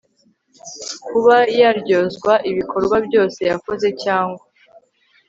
kuba yaryozwa ibikorwa byose yakoze cyangwa